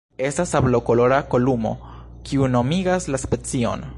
Estas sablokolora kolumo, kiu nomigas la specion.